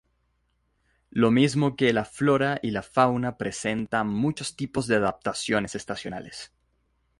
Lo mismo que la flora y la fauna presenta muchos tipos de adaptaciones estacionales.